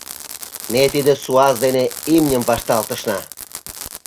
Ме тиде суас дене имньым вашталтышна.